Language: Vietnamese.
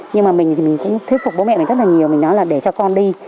nhưng mà mình thì mình cũng thuyết phục bố mẹ này rất là nhiều mình nói là để cho con đi